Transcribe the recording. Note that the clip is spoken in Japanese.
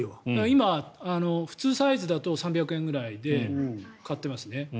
今、普通サイズだと３００円くらいで買っていますね。